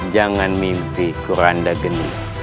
jangan mimpi kuranda geni